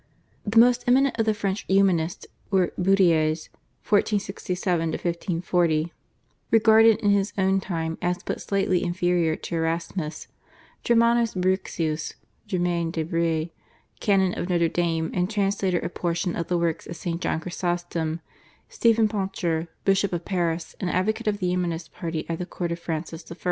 The most eminent of the French Humanists were Budaeus (1467 1540), regarded in his own time as but slightly inferior to Erasmus, Germanus Brixius (Germain de Brie), Canon of Notre Dame and translator of portion of the works of St. John Chrysostom, Stephen Poncher, Bishop of Paris and advocate of the Humanist party at the Court of Francis I.